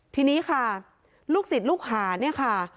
ทีนี้ค่ะลูกศิษย์ลูกหาเนี่ยค่ะ